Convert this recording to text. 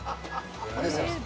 ありがとうございます。